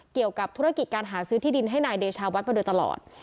เกี่ยวกับธุรกิจการหาซื้อที่ดินให้นายเดชาวัดมาโดยตลอด